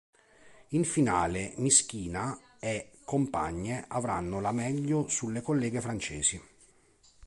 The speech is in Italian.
In finale Myskina e compagne avranno la meglio sulle colleghe francesi.